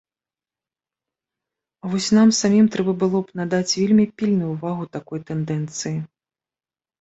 А вось нам самім трэба было б надаць вельмі пільную ўвагу такой тэндэнцыі.